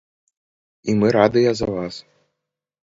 І мы радыя за вас.